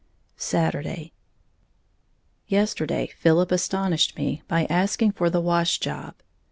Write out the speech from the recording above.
Saturday. Yesterday Philip astonished me by asking for the wash job.